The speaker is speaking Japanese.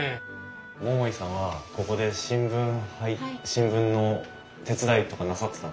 桃井さんはここで新聞の手伝いとかなさってたんですか？